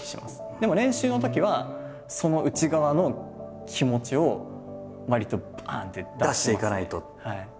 でも練習のときはその内側の気持ちをわりとパン！って出していきますね。